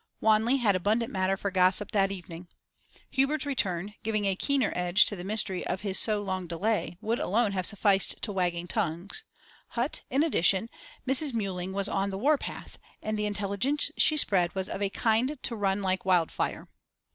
Wanley had abundant matter for gossip that evening. Hubert's return, giving a keener edge to the mystery of his so long delay, would alone have sufficed to wagging tongues; hut, in addition, Mrs. Mewling was on the warpath, and the intelligence she spread was of a kind to run like wildfire.